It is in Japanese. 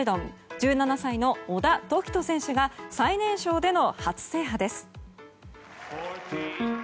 １７歳の小田凱人選手が最年少での初制覇です。